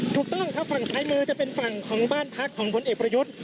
ถูกต้องครับฝั่งซ้ายมือจะเป็นฝั่งของบ้านพักของผลเอกประยุทธ์